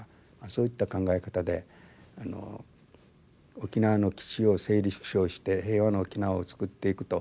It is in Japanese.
そういった考え方で沖縄の基地を整理縮小して平和な沖縄をつくっていくと。